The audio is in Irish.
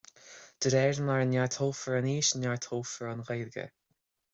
De réir mar a neartófar an fhís, neartófar an Ghaeilge